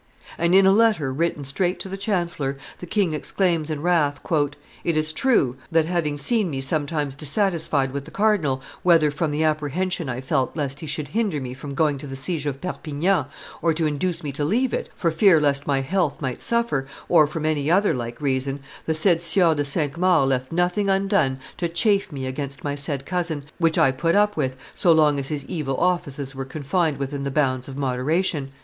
And in a letter written straight to the chancellor, the king exclaims in wrath, "It is true that having seen me sometimes dissatisfied with the cardinal, whether from the apprehension I felt lest he should hinder me from going to the siege of Perpignan, or induce me to leave it, for fear lest my health might suffer, or from any other like reason, the said Sieur de Cinq Mars left nothing undone to chafe me against my said cousin, which I put up with so long as his evil offices were confined within the bounds of moderation.